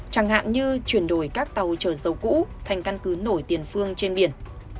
chẳng hạn như chuyển đổi các tàu chở dầu cũ thành căn cứ nổi tiền phương trên biển